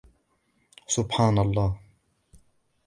سبحان الله.